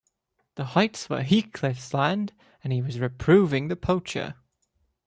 The Heights were Heathcliff’s land, and he was reproving the poacher.